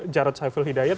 jarod saiful hidayat